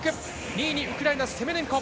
２位にウクライナセメネンコ。